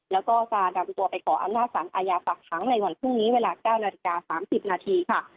แล้วก็จะนำตัวไปขออำนาจสารอาญาฝากค้างในวันพรุ่งนี้เวลา๙นาฬิกา๓๐นาทีค่ะ